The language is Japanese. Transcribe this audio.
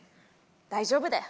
大丈夫だよ。